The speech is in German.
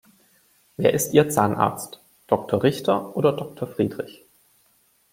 Wer ist ihr Zahnarzt? Doktor Richter oder Doktor Friedrich?